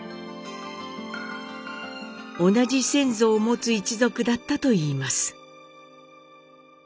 同じ先祖を持つ一族だったといいます。